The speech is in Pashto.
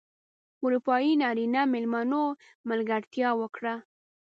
اروپايي نرینه مېلمنو ملګرتیا وکړه.